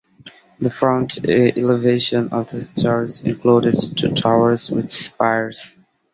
The front elevation of the church includes two towers with spires.